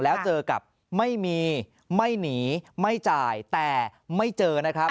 แล้วเจอกับไม่มีไม่หนีไม่จ่ายแต่ไม่เจอนะครับ